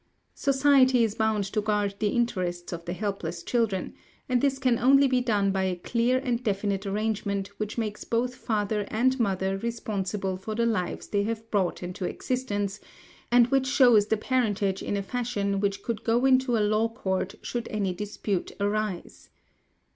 Society is bound to guard the interests of the helpless children, and this can only be done by a clear and definite arrangement which makes both father and mother responsible for the lives they have brought into existence, and which shows the parentage in a fashion which could go into a law court should any dispute arise.